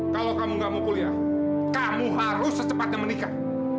kalau kamu gak mau kuliah kamu harus secepatnya menikah